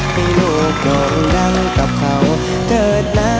ให้ลูกดองดังกับเขาเกิดนะ